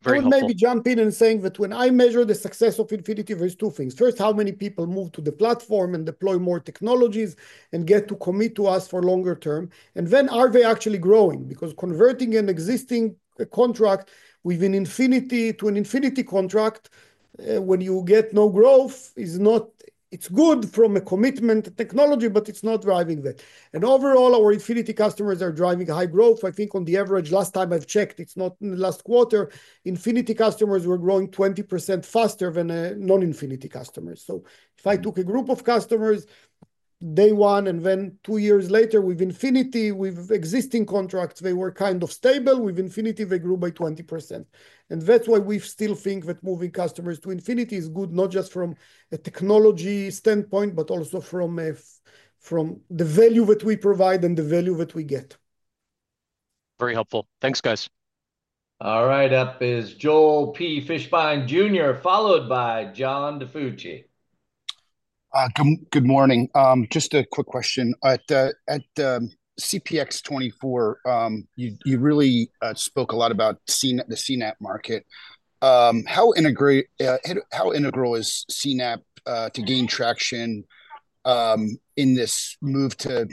Very helpful. I would maybe jump in and saying that when I measure the success of Infinity, there's two things. First, how many people move to the platform and deploy more technologies and get to commit to us for longer term. And then are they actually growing? Because converting an existing contract with an Infinity to an Infinity contract, when you get no growth, it's good from a commitment technology, but it's not driving that. And overall, our Infinity customers are driving high growth. I think on the average, last time I've checked, it's not in the last quarter, Infinity customers were growing 20% faster than non-Infinity customers. So if I took a group of customers day one and then two years later with Infinity, with existing contracts, they were kind of stable. With Infinity, they grew by 20%. And that's why we still think that moving customers to Infinity is good, not just from a technology standpoint, but also from the value that we provide and the value that we get. Very helpful. Thanks, guys. All right. Up is Joel Fishbein, followed by John DiFucci. Good morning. Just a quick question. At CPX 24, you really spoke a lot about the CNAPP market. How integral is CNAPP to gain traction in this move to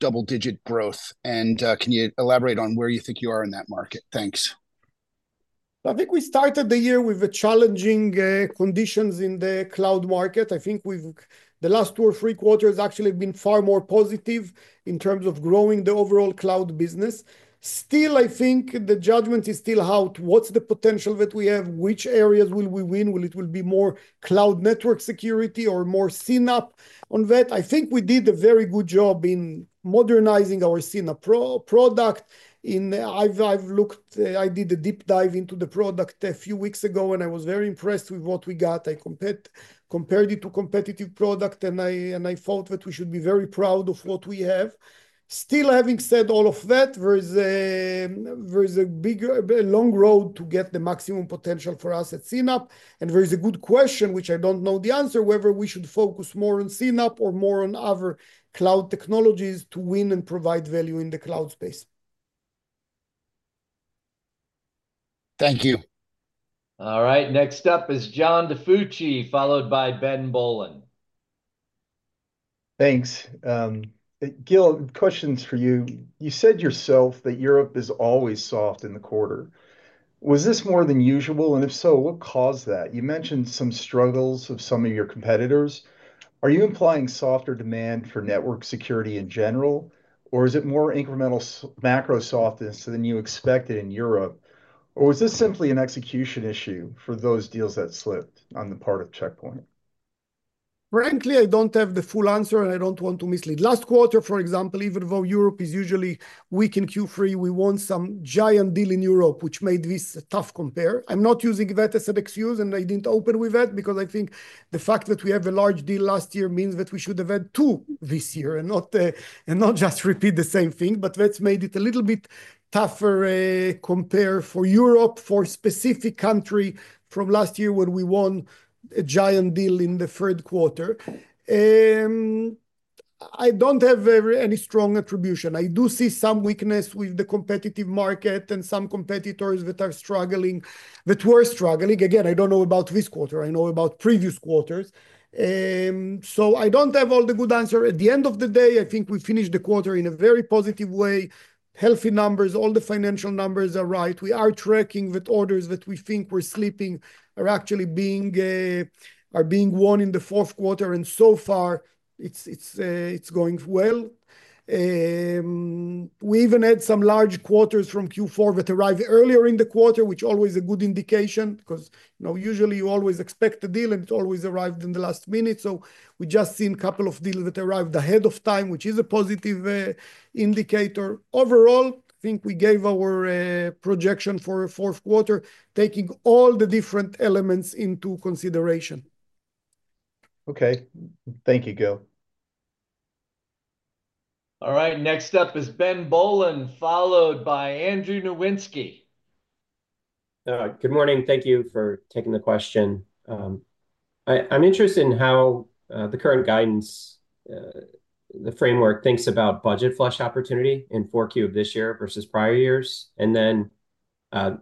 double-digit growth, and can you elaborate on where you think you are in that market? Thanks. I think we started the year with challenging conditions in the cloud market. I think the last two or three quarters actually have been far more positive in terms of growing the overall cloud business. Still, I think the judgment is still out. What's the potential that we have? Which areas will we win? Will it be more cloud network security or more CNAPP on that? I think we did a very good job in modernizing our CNAPP product. I did a deep dive into the product a few weeks ago, and I was very impressed with what we got. I compared it to a competitive product, and I thought that we should be very proud of what we have. Still, having said all of that, there is a long road to get the maximum potential for us at CNAPP. There is a good question, which I don't know the answer, whether we should focus more on CNAPP or more on other cloud technologies to win and provide value in the cloud space. Thank you. All right. Next up is John DiFucci, followed by Ben Bollin. Thanks. Gil, questions for you. You said yourself that Europe is always soft in the quarter. Was this more than usual? And if so, what caused that? You mentioned some struggles of some of your competitors. Are you implying softer demand for network security in general, or is it more incremental macro softness than you expected in Europe? Or was this simply an execution issue for those deals that slipped on the part of Check Point? Frankly, I don't have the full answer, and I don't want to mislead. Last quarter, for example, even though Europe is usually weak in Q3, we won some giant deal in Europe, which made this a tough compare. I'm not using that as an excuse, and I didn't open with that because I think the fact that we have a large deal last year means that we should have had two this year and not just repeat the same thing. But that's made it a little bit tougher compare for Europe, for a specific country from last year when we won a giant deal in the third quarter. I don't have any strong attribution. I do see some weakness with the competitive market and some competitors that are struggling, that were struggling. Again, I don't know about this quarter. I know about previous quarters. So I don't have all the good answer. At the end of the day, I think we finished the quarter in a very positive way. Healthy numbers, all the financial numbers are right. We are tracking that orders that we think were slipping are actually being won in the fourth quarter. And so far, it's going well. We even had some large orders from Q4 that arrived earlier in the quarter, which is always a good indication because usually you always expect a deal, and it always arrived in the last minute. So we just seen a couple of deals that arrived ahead of time, which is a positive indicator. Overall, I think we gave our projection for a fourth quarter, taking all the different elements into consideration. Okay. Thank you, Gil. All right. Next up is Ben Bollin, followed by Andrew Nowinski. Good morning. Thank you for taking the question. I'm interested in how the current guidance, the framework thinks about budget flush opportunity in fourth Q of this year versus prior years. And then an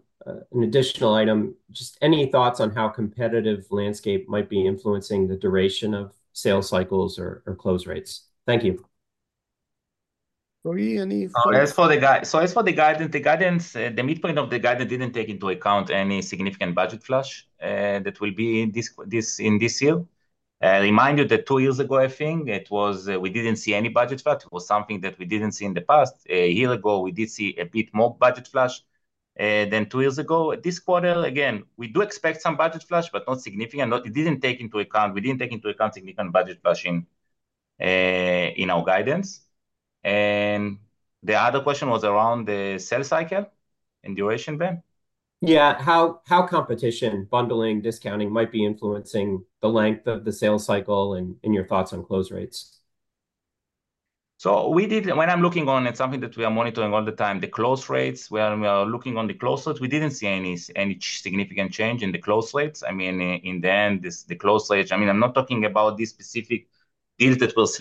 additional item, just any thoughts on how competitive landscape might be influencing the duration of sales cycles or close rates. Thank you. Roei, any thoughts? So as for the guidance, the midpoint of the guidance didn't take into account any significant budget flush that will be in this year. I remind you that two years ago, I think it was we didn't see any budget flush. It was something that we didn't see in the past. A year ago, we did see a bit more budget flush than two years ago. This quarter, again, we do expect some budget flush, but not significant. It didn't take into account. We didn't take into account significant budget flush in our guidance. And the other question was around the sales cycle and duration, Ben? Yeah. How competition, bundling, discounting might be influencing the length of the sales cycle and your thoughts on close rates? So when I'm looking on it, something that we are monitoring all the time, the close rates, when we are looking on the close rates, we didn't see any significant change in the close rates. I mean, in the end, the close rates, I mean, I'm not talking about this specific deal that was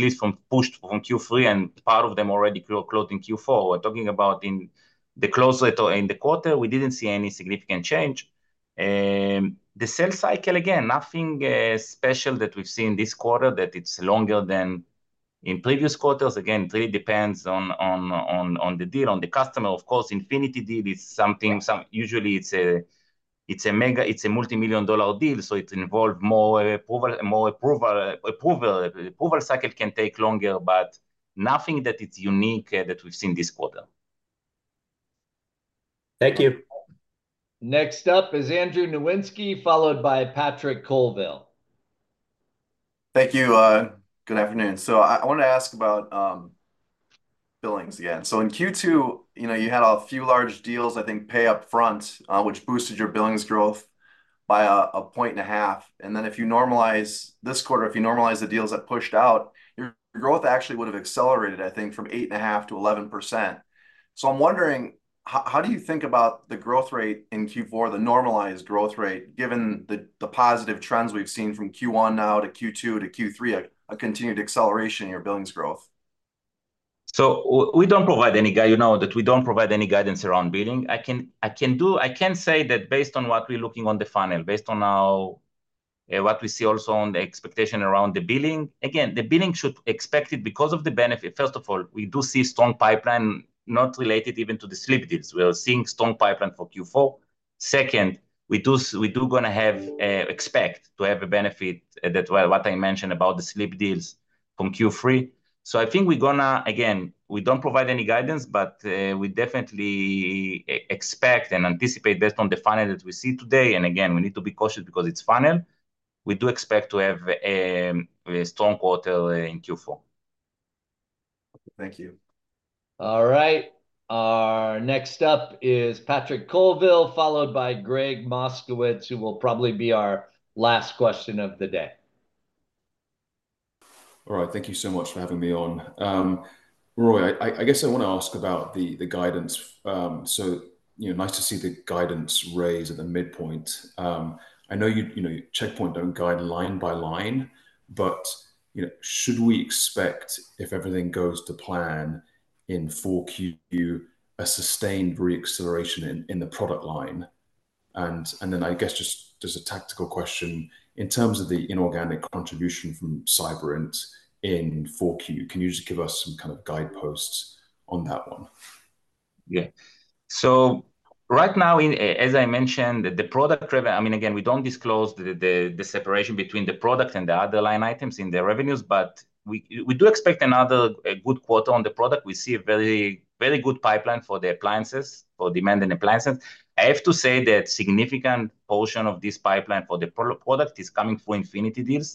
pushed from Q3 and part of them already closed in Q4. We're talking about in the close rate in the quarter, we didn't see any significant change. The sales cycle, again, nothing special that we've seen this quarter that it's longer than in previous quarters. Again, it really depends on the deal, on the customer. Of course, Infinity deal is something usually it's a multimillion-dollar deal, so it involves more approval. Approval cycle can take longer, but nothing that it's unique that we've seen this quarter. Thank you. Next up is Andrew Nowinski, followed by Patrick Colville. Thank you. Good afternoon. So I want to ask about billings again. So in Q2, you had a few large deals, I think, pay upfront, which boosted your billings growth by a point and a half. And then if you normalize this quarter, if you normalize the deals that pushed out, your growth actually would have accelerated, I think, from 8.5% to 11%. So I'm wondering, how do you think about the growth rate in Q4, the normalized growth rate, given the positive trends we've seen from Q1 now to Q2 to Q3, a continued acceleration in your billings growth? So we don't provide any guidance around billing. I can say that based on what we're looking on the funnel, based on what we see also on the expectation around the billing, again, the billing should expect it because of the benefit. First of all, we do see strong pipeline not related even to the slipped deals. We are seeing strong pipeline for Q4. Second, we do going to expect to have a benefit that what I mentioned about the slipped deals from Q3. So I think we're going to, again, we don't provide any guidance, but we definitely expect and anticipate based on the funnel that we see today. And again, we need to be cautious because it's funnel. We do expect to have a strong quarter in Q4. Thank you. All right. Our next up is Patrick Colville, followed by Gregg Moskowitz, who will probably be our last question of the day. All right. Thank you so much for having me on. Roei, I guess I want to ask about the guidance. So nice to see the guidance raise at the midpoint. I know you Check Point don't guide line by line, but should we expect, if everything goes to plan in Q4, a sustained reacceleration in the product line? And then I guess just as a tactical question, in terms of the inorganic contribution from Cyberint in Q4, can you just give us some kind of guideposts on that one? Yeah. Right now, as I mentioned, the product revenue, I mean, again, we don't disclose the separation between the product and the other line items in the revenues, but we do expect another good quarter on the product. We see a very good pipeline for the appliances, for demand and appliances. I have to say that a significant portion of this pipeline for the product is coming through Infinity deals.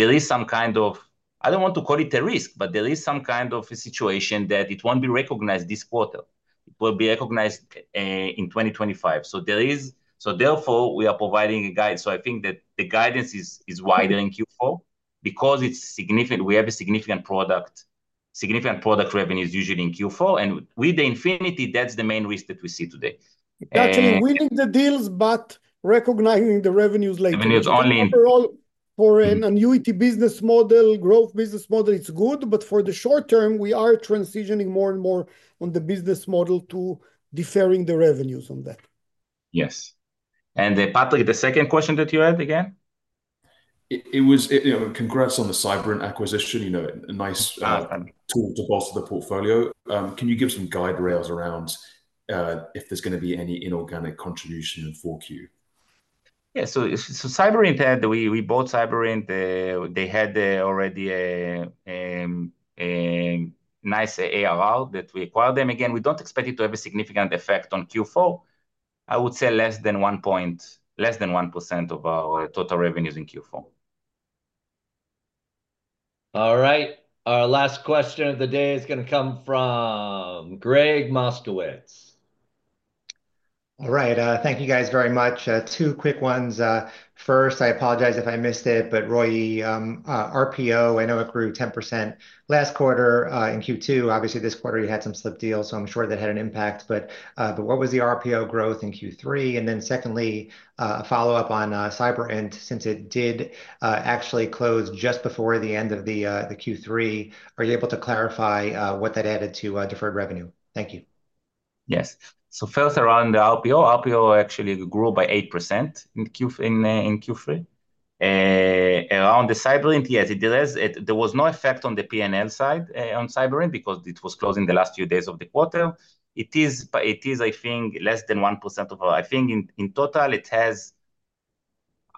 There is some kind of, I don't want to call it a risk, but there is some kind of a situation that it won't be recognized this quarter. It will be recognized in 2025. Therefore, we are providing guidance. I think that the guidance is wider in Q4 because we have a significant product revenue usually in Q4. With the Infinity, that's the main risk that we see today. Actually, winning the deals, but recognizing the revenues later. Overall, for an annuity business model, growth business model, it's good, but for the short term, we are transitioning more and more on the business model to deferring the revenues on that. Yes. And Patrick, the second question that you had again? Congrats on the Cyberint acquisition. A nice tool to bolster the portfolio. Can you give some guardrails around if there's going to be any inorganic contribution in Q4? Yeah. So Cyberint had, we bought Cyberint. They had already a nice ARR that we acquired them. Again, we don't expect it to have a significant effect on Q4. I would say less than 1% of our total revenues in Q4. All right. Our last question of the day is going to come from Gregg Moskowitz. All right. Thank you guys very much. Two quick ones. First, I apologize if I missed it, but Roei, RPO, I know it grew 10% last quarter in Q2. Obviously, this quarter, you had some slip deals, so I'm sure that had an impact. But what was the RPO growth in Q3? And then secondly, a follow-up on Cyberint, since it did actually close just before the end of the Q3, are you able to clarify what that added to deferred revenue? Thank you. Yes. So first, around the RPO, RPO actually grew by 8% in Q3. Around the Cyberint, yes, it is. There was no effect on the P&L side on Cyberint because it was closing the last few days of the quarter. It is, I think, less than 1% of our, I think in total, it has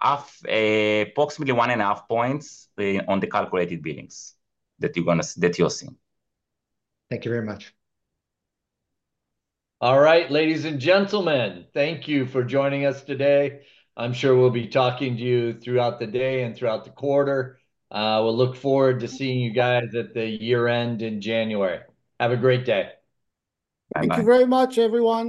approximately one and a half points on the calculated billings that you're seeing. Thank you very much. All right, ladies and gentlemen, thank you for joining us today. I'm sure we'll be talking to you throughout the day and throughout the quarter. We'll look forward to seeing you guys at the year-end in January. Have a great day. Thank you very much, everyone.